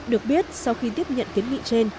được biết sau khi tiếp nhận kiến nghị trên